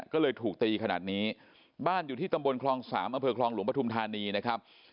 ก็เลยถูกตีขนาดนี้บ้านอยู่ที่ตำบลคลองสามอำเภอคลองหลวงปฐุมธานีนะครับ